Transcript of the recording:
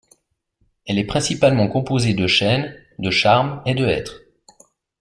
Elle est principalement composée de chênes, de charmes et de hêtres.